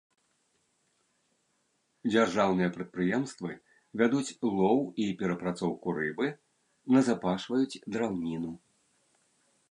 Дзяржаўныя прадпрыемствы вядуць лоў і перапрацоўку рыбы, назапашваюць драўніну.